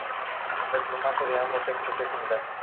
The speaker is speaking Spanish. El plumaje de ambos sexos es similar.